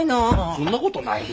そんなことないに。